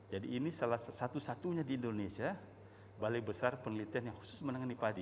jadi ini salah satu satunya di indonesia balai besar penelitian yang khusus menangani padi